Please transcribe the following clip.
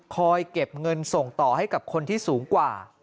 เก็บเงินส่งต่อให้กับคนที่สูงกว่า